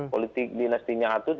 politik dinastinya atut